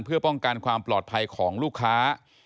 เพื่อป้องกันความปลอดภัยของลูกค้า